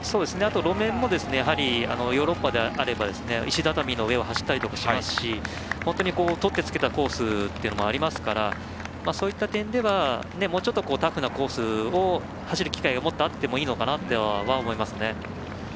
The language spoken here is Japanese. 路面もやはり、ヨーロッパであれば石畳の上を走ったりしますし取ってつけたようなコースもありますからそういった点ではもうちょっと、タフなコースを走る機会がもっとあってもいいのかなとは思いますね。